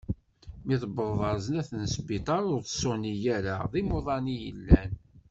Mi d tewḍeḍ ɣer sdat n sbiṭar ur ttṣuni ara, d imuḍan i yellan.